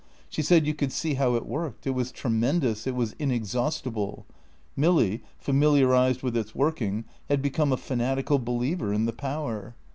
She said you could see how it worked. It was tremendous; it was inexhaustible. Milly, familiarised with its working, had become a fanatical believer in the Power.